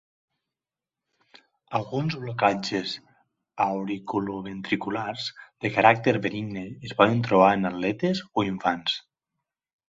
Alguns blocatges auriculoventriculars de caràcter benigne es poden trobar en atletes o infants.